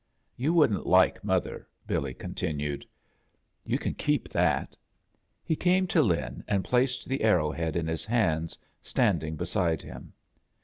"You wouldn't like mother," Billy con tinued. "You can keep that." He came to Lin and placed the arrow head in his hands, standing beside him.